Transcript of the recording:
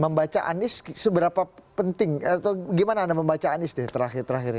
membaca anies seberapa penting atau gimana anda membaca anies deh terakhir terakhir ini